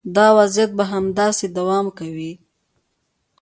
دا وضعیت به همداسې دوام کوي.